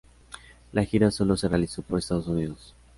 La gira sólo se realizó por Estados Unidos.